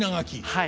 はい。